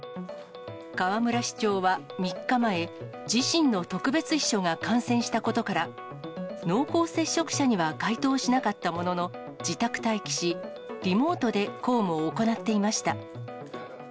河村市長は、３日前、自身の特別秘書が感染したことから、濃厚接触者には該当しなかったものの、自宅待機し、リモートで公務を行っていました。